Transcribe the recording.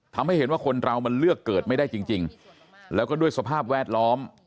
ทำให้เห็นว่าคนเรามันเลือกเกิดไม่ได้จริงแล้วก็ด้วยสภาพแวดล้อม